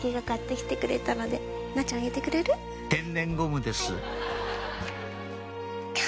天然ゴムです